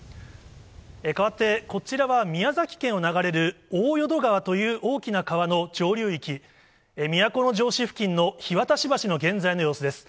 変わって、こちらは宮崎県を流れる、大淀川という大きな川の上流域、都城市付近の樋渡橋の現在の様子です。